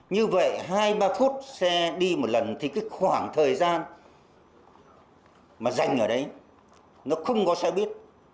như vậy hai ba phút xe đi một lần thì cái khoảng thời gian mà dành ở đấy nó không có xe buýt